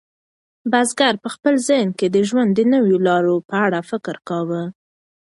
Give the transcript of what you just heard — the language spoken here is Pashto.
بزګر په خپل ذهن کې د ژوند د نویو لارو په اړه فکر کاوه.